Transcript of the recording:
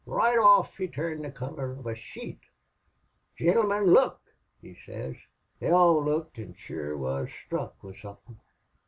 Roight off he turned the color of a sheet. 'Gintlemen, look!' he sez. They all looked, an' shure wuz sthruck with somethin'.